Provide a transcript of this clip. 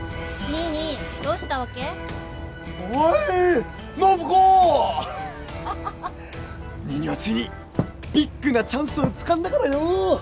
ニーニーはついにビッグなチャンスをつかんだからよ！